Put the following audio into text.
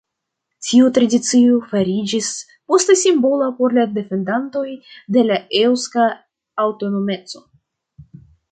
Tiu tradicio fariĝis poste simbola por la defendantoj de la eŭska aŭtonomeco.